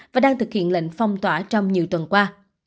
và đang thực hiện lệnh phong tỏa trong nhiều tuần qua